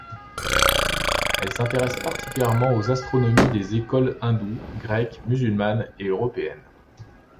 Il s'intéresse particulièrement aux astronomies des écoles hindoues, grecques, musulmanes et européennes.